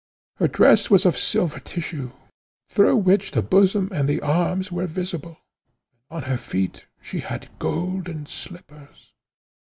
Her dress was of silver tissue, through which the bosom and the arms were visible, and on her feet she had golden slippers.